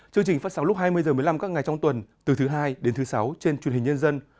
chương trình phát sóng lúc hai mươi h một mươi năm các ngày trong tuần từ thứ hai đến thứ sáu trên truyền hình nhân dân